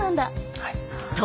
はい。